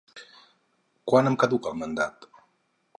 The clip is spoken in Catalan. Quan em caduca el mandat?